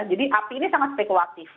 jadi api ini sangat spekulatif